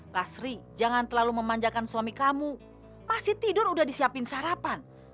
lasri jangan terlalu memanjakan suami kamu masih tidur udah disiapin sarapan